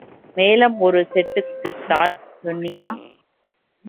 மேளம் ஒரு செட்டுக்குத்தான் சொன்னியா?